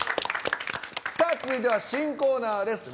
続いては新コーナーです。